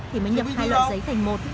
thì mới nhập hai loại giấy thành một